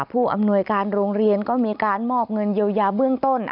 ผู้อำนวยการโรงเรียนก็มีการมอบเงินเยียวยาเบื้องต้น